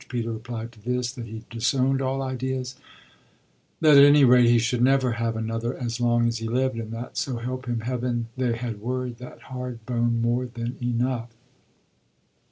Peter replied to this that he disowned all ideas; that at any rate he should never have another as long as he lived, and that, so help him heaven, they had worried that hard bone more than enough.